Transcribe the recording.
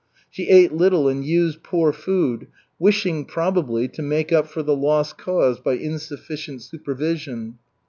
She ate little and used poor food, wishing, probably, to make up for the loss caused by insufficient supervision.